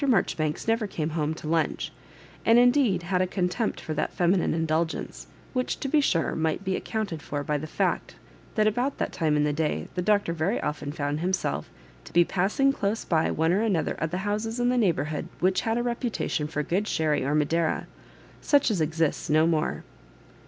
Marjoribanks never came home to lunch, and indeed had a contempt for that feminine indulgence; which, to be sure, might be ac counted for by the fact, that about that time in the day the Doctor very often found himself to be passing close by one or other of the houses in the neighbourhood which had a Reputation for good sherry or madeira, such as exists no more.